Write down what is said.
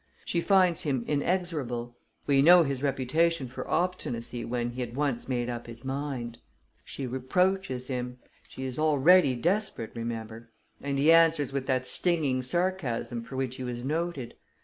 She finds him inexorable we know his reputation for obstinacy when he had once made up his mind. She reproaches him she is already desperate, remember and he answers with that stinging sarcasm for which he was noted.